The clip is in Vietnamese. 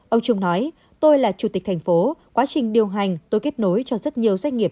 ông trung nói tôi là chủ tịch thành phố quá trình điều hành tôi kết nối cho rất nhiều doanh nghiệp